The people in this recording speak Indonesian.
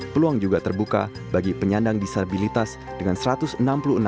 peluang juga terbuka bagi penyandang disabilitas dengan kemampuan untuk menanggulangi kekurangan